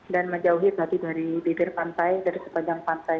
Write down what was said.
dan menjauhi tadi dari bibir pantai dari sepanjang pantai